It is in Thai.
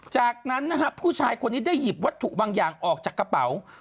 จากนั้นนะฮะผู้ชายคนนี้ได้หยิบวัตถุบางอย่างออกจากกระเป๋า